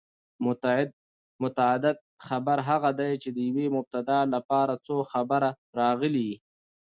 متعدد خبر هغه دئ، چي د یوې مبتداء له پاره څو خبره راغلي يي.